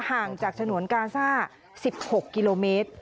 ห่างจากฉนวนกาซ่า๑๖กิโลเมตร